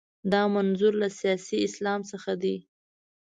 دا منظور له سیاسي اسلام څخه دی.